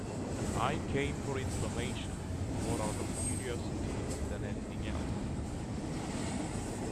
I came for information more out of curiosity than anything else.